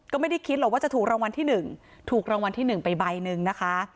ก็ไม่ได้คิดหรอกว่าจะถูกรางวัลที่๑ถูกรางวัลที่๑ไปใบหนึ่งนะคะ